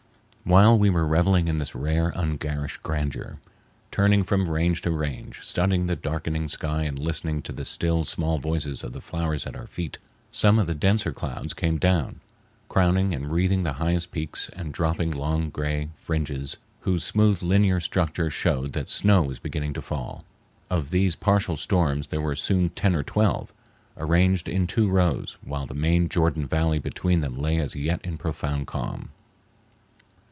While we were reveling in this rare, ungarish grandeur, turning from range to range, studying the darkening sky and listening to the still small voices of the flowers at our feet, some of the denser clouds came down, crowning and wreathing the highest peaks and dropping long gray fringes whose smooth linear structure showed that snow was beginning to fall. Of these partial storms there were soon ten or twelve, arranged in two rows, while the main Jordan Valley between them lay as yet in profound calm.